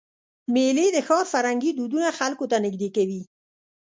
میلې د ښار فرهنګي دودونه خلکو ته نږدې کوي.